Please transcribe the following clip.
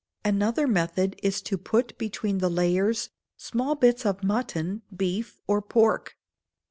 Another method is to put between the layers small bits of mutton, beef, or pork.